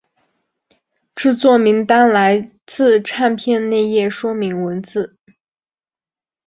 制作名单来自唱片内页说明文字。